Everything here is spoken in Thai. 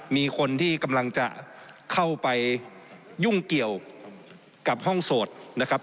มีคนที่กำลังจะเข้าไปยุ่งเกี่ยวกับห้องโสดนะครับ